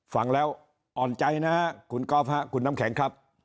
ฟังแล้วอ่อนใจนะครับคุณกอล์ฟฮะคุณน้ำแข็งครับ